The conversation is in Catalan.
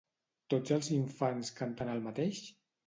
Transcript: Tots els infants canten el mateix?